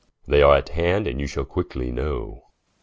They are at hand, and you shall quickly know.